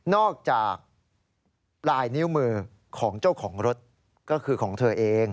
จากปลายนิ้วมือของเจ้าของรถก็คือของเธอเอง